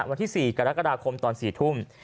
วันที่๔กรกฎาคมตอน๔ทุ่ม